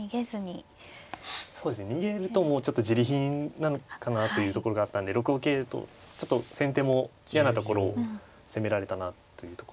逃げるともうじり貧なのかなというところがあったんで６五桂とちょっと先手も嫌なところを攻められたなというところで。